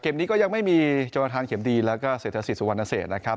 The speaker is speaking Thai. นี้ก็ยังไม่มีโจรทานเข็มดีแล้วก็เศรษฐศิษย์สุวรรณเศษนะครับ